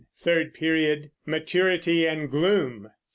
Third Period, Maturity and Gloom.